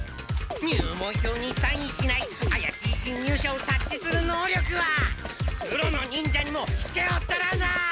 入門票にサインしないあやしいしんにゅうしゃをさっちするのうりょくはプロの忍者にも引けを取らない！